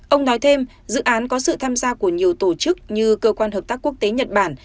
ông nói thêm dự án có sự tham gia của nhiều tổ chức như cơ quan hợp tác quốc tế nhật bản